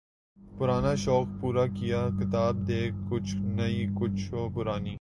پرانا شوق پورا کیا ، کتاب دیکھ ، کچھ نئی ، کچھ و پرانی